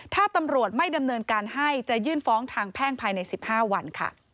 ถ้าตำรวจไม่ดำเนินการให้จะยื่นฟ้องทางแพ่งภายใน๑๕วัน